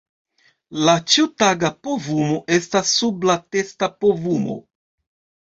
La ĉiutaga povumo estas sub la testa povumo.